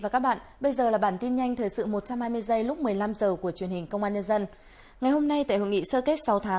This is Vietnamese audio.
cảm ơn các bạn đã theo dõi